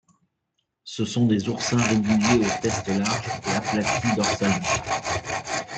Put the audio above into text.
Ce sont des oursins réguliers au test large et aplati dorsalement.